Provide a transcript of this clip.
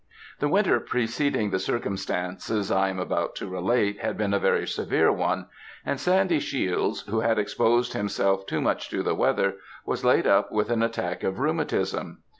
The winter preceding the circumstances I am about to relate, had been a very severe one, and Sandy Shiels, who had exposed himself too much to the weather, was laid up with an attack of rheumatism.